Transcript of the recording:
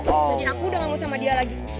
jadi aku udah gak mau sama dia lagi